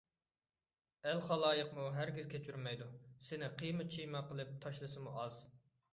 ئەل - خالايىقمۇ ھەرگىز كەچۈرمەيدۇ! سېنى قىيما - چىيما قىلىپ تاشلىسىمۇ ئاز!